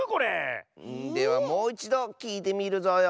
ではもういちどきいてみるぞよ。